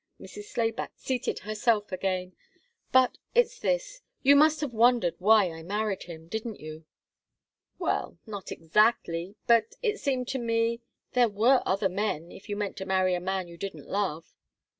Mrs. Slayback seated herself again. "But it's this. You must have wondered why I married him, didn't you?" "Well not exactly. But it seemed to me there were other men, if you meant to marry a man you didn't love."